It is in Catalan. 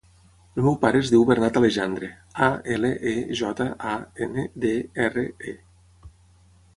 El meu pare es diu Bernat Alejandre: a, ela, e, jota, a, ena, de, erra, e.